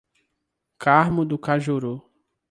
Carmo do Cajuru